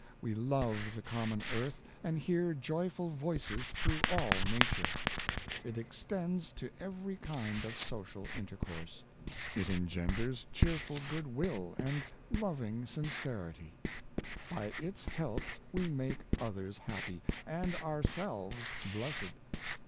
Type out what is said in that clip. We love the common earth, and hear jo3^ful voices through all nature. It extends to every kind of social intercourse. It engenders cheerful good will and Final Art of Living, 37 loving sincerity. By its help we make others happy, and ourselves blessed.